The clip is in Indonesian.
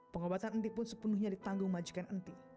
pengobatan entik pun sepenuhnya ditanggung majukan entik